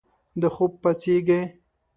د خوب پاڅیږې